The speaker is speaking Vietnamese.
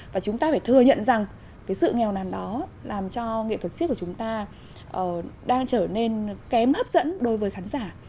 và chúng ta phải thừa nhận rằng cái sự nghèo nàn đó làm cho nghệ thuật siếc của chúng ta đang trở nên kém hấp dẫn đối với khán giả